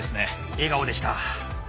笑顔でした。